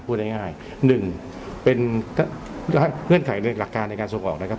พูดง่ายง่ายหนึ่งเป็นเหลือนไขในหลักการในการส่งออกนะครับ